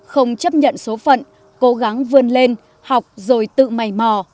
không chấp nhận số phận cố gắng vươn lên học rồi tự mầy mò